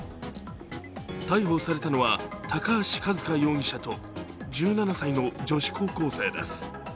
逮捕されたのは、高橋一風容疑者と１７歳の女子高校生です。